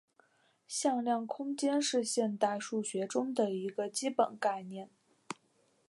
向量空间是现代数学中的一个基本概念。